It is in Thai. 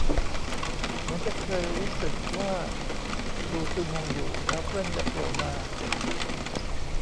เหมือนจะเคยรู้สึกว่าดูจูมงอยู่ แล้วเพื่อนจะโผล่มา